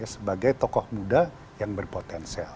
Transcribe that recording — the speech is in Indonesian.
sebagai tokoh muda yang berpotensial